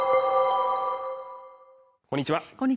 こんにちは